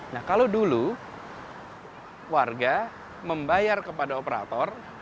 nah kalau dulu warga membayar kepada operator